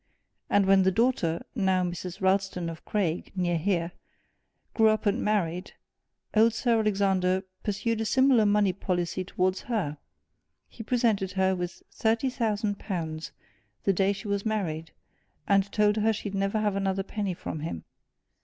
And when the daughter, now Mrs. Ralston of Craig, near here, grew up and married, old Sir Alexander pursued a similar money policy towards her he presented her with thirty thousand pounds the day she was married, and told her she'd never have another penny from him.